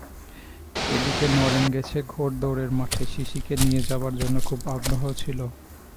এ দিকে নরেন গেছে ঘোড়দৌড়ের মাঠে, সিসিকে নিয়ে যাবার জন্যে খুব আগ্রহ ছিল।